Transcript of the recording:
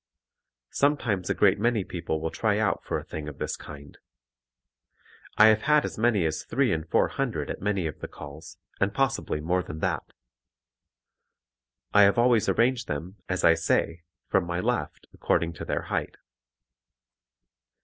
Sometimes a great many people will try out for a thing of this kind. I have had as many as three and four hundred at many of the calls, and possibly more than that. I have always arranged them, as I say, from my left according to their height.